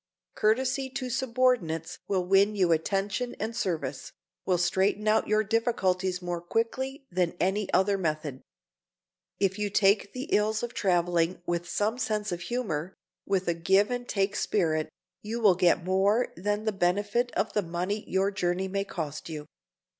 Courtesy to subordinates will win you attention and service, will straighten out your difficulties more quickly than any other method. If you take the ills of traveling with some sense of humor, with a give and take spirit, you will get more than the benefit of the money your journey may cost you.